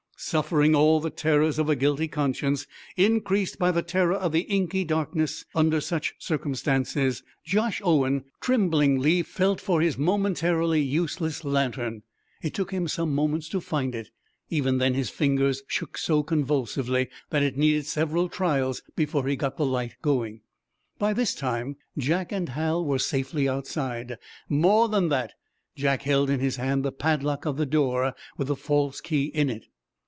Suffering all the terrors of a guilty conscience, increased by the terror of the inky darkness under such circumstances, Josh Owen tremblingly felt for his momentarily useless lantern. It took him some moments to find it. Even then his fingers shook so convulsively that it needed several trials before he got the light going. By this time Jack and Hal were safely outside. More than that, Jack held in his hand the padlock of the door, with the false key in it.